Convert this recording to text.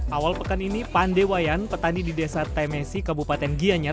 awal pekan ini pandewayan petani di desa temesi kabupaten gianyar